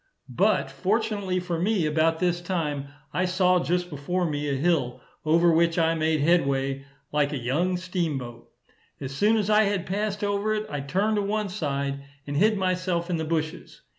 But fortunately for me, about this time, I saw just before me a hill, over which I made headway, like a young steamboat. As soon as I had passed over it, I turned to one side, and hid myself in the bushes.